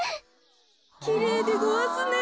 きれいでごわすね。